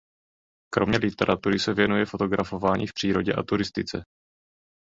Kromě literatury se věnuje fotografování v přírodě a turistice.